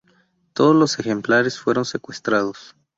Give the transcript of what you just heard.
Todos los ejemplares fueron secuestrados.